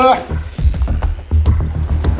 ไป